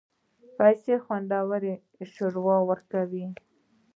پسه خوندور شوروا ورکوي.